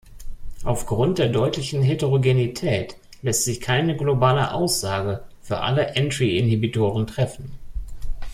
Aufgrund der deutlichen Heterogenität lässt sich keine globale Aussage für alle Entry-Inhibitoren treffen.